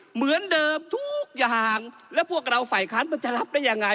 เหมือนเดิมทุกอย่างแล้วพวกเราฝ่ายค้านมันจะรับได้ยังไง